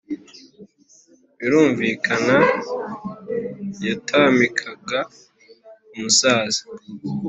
birumvikana yatamikaga umusaza